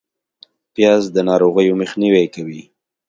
پیاز د ناروغیو مخنیوی کوي